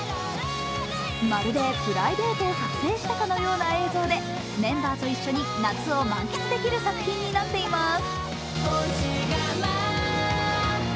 まるでプライベートを撮影したかの映像でメンバーと一緒に夏を満喫できる作品になっています。